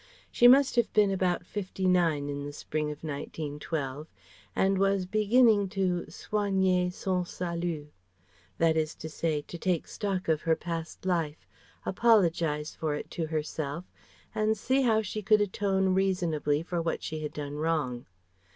She must have been about fifty nine in the spring of 1912, and was beginning to "soigner son salut," that is to say to take stock of her past life, apologize for it to herself and see how she could atone reasonably for what she had done wrong.